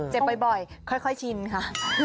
เจ็บบ่อยค่อยชินค่ะ